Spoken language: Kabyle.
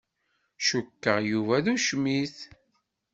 Cukkeɣ Yuba d ucmit.